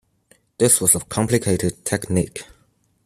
This was a complicated technique.